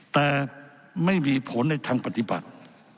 แต่ไม่มีผลในทางปฏิบัติ